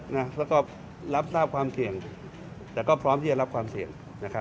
แล้วก็รับทราบความเสี่ยงแต่ก็พร้อมที่จะรับความเสี่ยงนะครับ